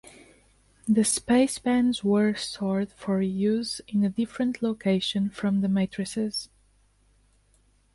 The space bands were stored for reuse in a different location from the matrices.